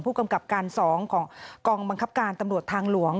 ผู้กำกับการ๒ของกองบังคับการตำรวจทางหลวง